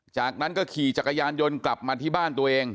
จากนั้นก็ขี่จักรยานยนต์กลับมาที่บ้านตัวเอง